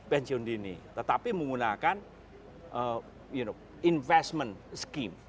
pensiun dini tetapi menggunakan investment scheme